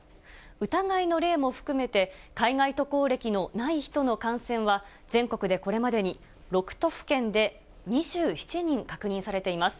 疑いの例も含めて、海外渡航歴のない人の感染は、全国でこれまでに６都府県で２７人確認されています。